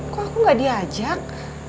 kok aku gak diajak